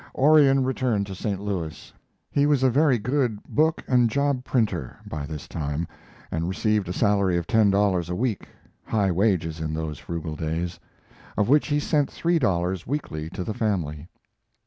Orion returned to St. Louis. He was a very good book and job printer by this time and received a salary of ten dollars a week (high wages in those frugal days), of which he sent three dollars weekly to the family.